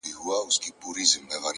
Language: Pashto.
مُلا سړی سو; اوس پر لاره د آدم راغلی;